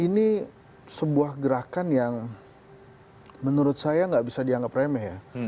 ini sebuah gerakan yang menurut saya nggak bisa dianggap remeh ya